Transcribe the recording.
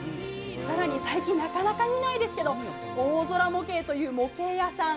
さらに最近なかなか見ないですけど、大空模型という模型屋さん。